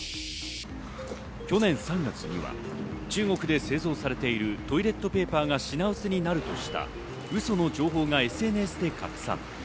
去年３月には中国で製造されているトイレットペーパーが品薄になるとしたウソの情報がＳＮＳで拡散。